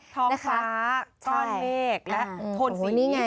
ท้องฟ้าก้อนเมฆและโทนสี